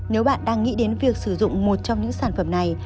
nếu bạn đang nghĩ đến việc sử dụng một trong những sản phẩm này